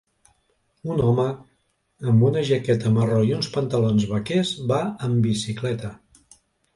Un home amb una jaqueta marró i uns pantalons vaquers va amb bicicleta.